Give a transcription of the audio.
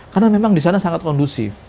karena memang di sana sangat kondusif